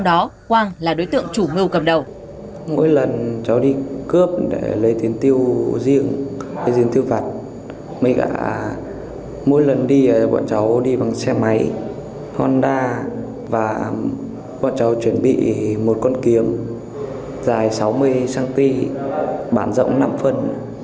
dính tiêu phạt mỗi lần đi bọn cháu đi bằng xe máy honda và bọn cháu chuẩn bị một con kiếm dài sáu mươi cm bản rộng năm phân